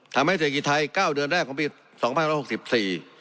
ทำให้เศรษฐกิจไทย๙เดือนแรกของปี๒๖๔